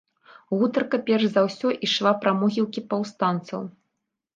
Гутарка, перш за ўсё, ішла пра могілкі паўстанцаў.